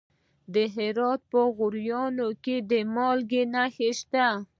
د هرات په غوریان کې د مالګې نښې شته.